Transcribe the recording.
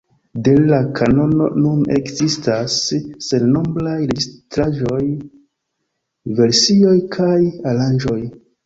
De la kanono nun ekzistas sennombraj registraĵoj, versioj kaj aranĝoj.